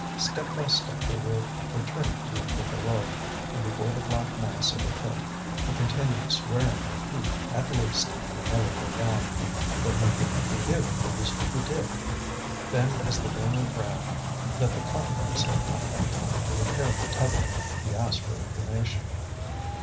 Step by step they were returning to the Voreux; and before the black mass of the pit he continued swearing that he, at least, would never go down; but he could forgive those who did. Then, as the rumour ran that the carpenters had not had time to repair the tubbing, he asked for information.